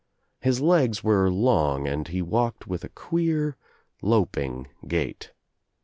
His legs were long and he walked with a queer loping gait.